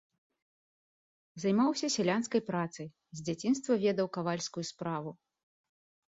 Займаўся сялянскай працай, з дзяцінства ведаў кавальскую справу.